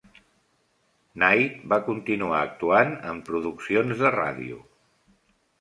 Knight va continuar actuant en produccions de ràdio.